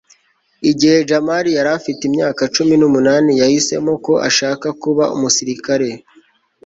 igihe jamali yari afite imyaka cumi n'umunani, yahisemo ko ashaka kuba umusirikare